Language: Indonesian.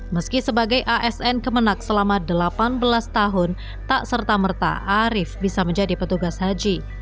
meski sebagai asn kemenak selama delapan belas tahun tak serta merta arief bisa menjadi petugas haji